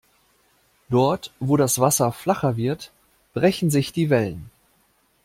Dort, wo das Wasser flacher wird, brechen sich die Wellen.